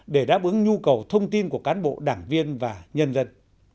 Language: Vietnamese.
để đáp ứng nhu cầu thông tin của cán bộ đảng viên và nhân dân